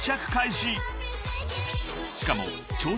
［しかも］